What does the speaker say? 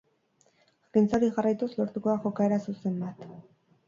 Jakintza hori jarraituz lortuko da jokaera zuzen bat.